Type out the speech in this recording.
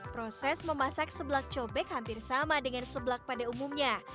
proses memasak seblak cobek hampir sama dengan seblak pada umumnya